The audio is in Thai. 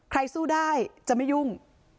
สู้ได้จะไม่ยุ่ง